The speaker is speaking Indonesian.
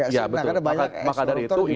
sedikit ya betul makadari itu